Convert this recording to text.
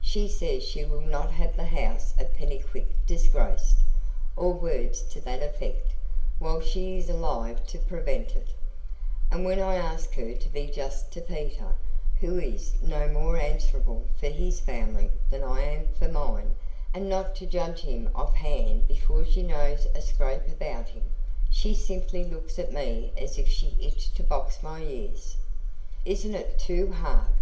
She says she will NOT have the house of Pennycuick disgraced (or words to that effect) while she is alive to prevent it; and when I ask her to be just to Peter, who is no more answerable for his family than I am for mine, and not to judge him off hand before she knows a scrap about him, she simply looks at me as if she itched to box my ears. Isn't it too hard?